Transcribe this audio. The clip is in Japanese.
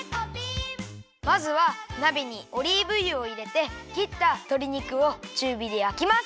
まずはなべにオリーブ油をいれてきったとり肉をちゅうびでやきます。